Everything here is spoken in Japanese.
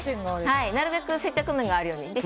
なるべく接着面があるように。